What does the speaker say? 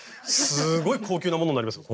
すごい高級なものになりますよ。